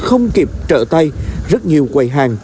không kịp trợ tay rất nhiều quầy hàng